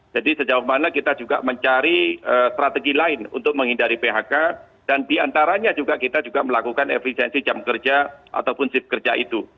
jadi sejauh mana kita juga mencari strategi lain untuk menghindari phk dan diantaranya juga kita juga melakukan efisiensi jam kerja ataupun shift kerja itu